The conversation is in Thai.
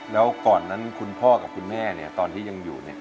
แล้วก่อนนั้นคุณพ่อกับคุณแม่ตอนที่ยังอยู่